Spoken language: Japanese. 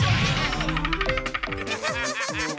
ハハハハハ！